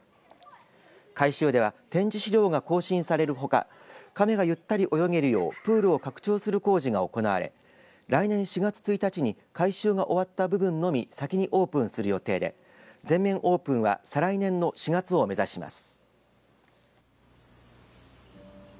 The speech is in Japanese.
改修では展示資料が更新されるほか亀がゆったり泳げるようプールを拡張する工事が行われ来年４月１日に改修が終わった部分のみ先にオープンする予定で全面オープンは再来年の４月を目指します。